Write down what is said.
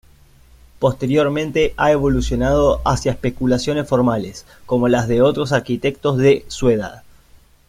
Posteriormente ha evolucionado hacia especulaciones formales, como las de otros arquitectos de su edad.